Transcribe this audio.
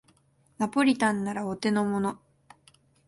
ナポリタンならお手のもの